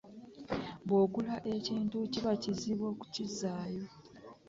Bw'ogula ekintu kiba kizibu okukizzaayo.